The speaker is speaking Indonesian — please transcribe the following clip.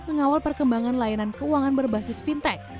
mengawal perkembangan layanan keuangan berbasis fintech